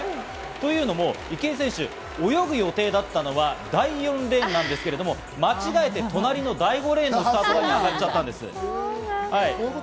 というのも、池江選手、泳ぐ予定だったのは第４レーンなんですけど、間違えて隣の第５レーンのスタート台に上がっちゃったんです。